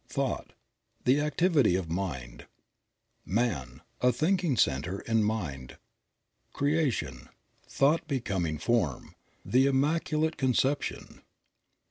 Thought. — The activity of Mind. J Man. — A thinking center in mind. \/ Creation. — Thought becoming form. The Immaculate Con «/ ception.